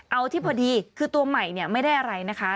เอาที่พอดีคือตัวใหม่เนี่ยไม่ได้อะไรนะคะ